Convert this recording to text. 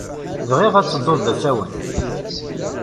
Bɣiɣ ad tedduḍ d asawen.